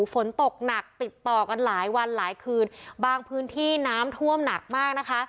ฝนตกหนักติดต่อกันหลายวันหลายคืนบางพื้นที่น้ำท่วมหนักมากนะคะ